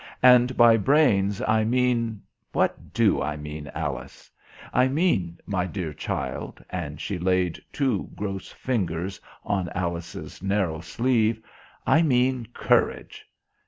And by brains I mean what do I mean, Alice? I mean, my dear child," and she laid two gross fingers on Alice's narrow sleeve. "I mean courage.